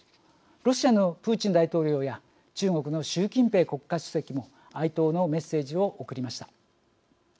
ロシアのプーチン大統領や中国の習近平国家主席も哀悼のメッセージを送りました。